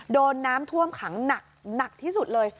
โดนน้ำท่วมขังหนักหนักที่สุดเลย